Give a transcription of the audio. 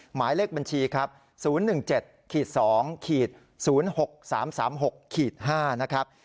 หมายเลขบัญชีครับ๐๑๗๒๐๖๓๓๖๕นะครับ